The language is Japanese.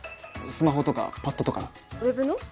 スマホとかパッドとかのウェブの？